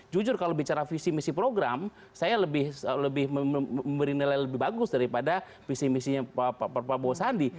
jujur kalau bicara visi misi program saya lebih memberi nilai lebih bagus daripada visi misinya pak prabowo sandi